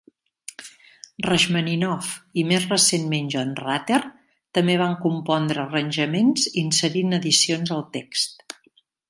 Rachmaninoff i, més recentment, John Rutter també van compondre arranjaments, inserint adicions al text.